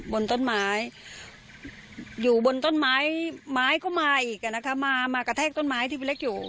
บนต้นไม้อยู่บนต้นไม้ไม้ก็มาอีกมามากระแทกต้นไม้ที่พี่เล็กอยู่